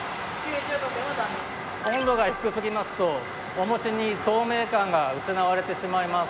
温度が低すぎますとお餅に透明感が失われてしまいます。